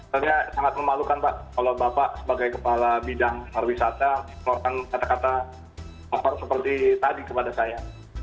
saya sangat memalukan pak kalau bapak sebagai kepala bidang pariwisata mengeluarkan kata kata faktor seperti tadi kepada saya